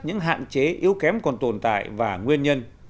những hạn chế yếu kém còn tồn tại và nguyên nhân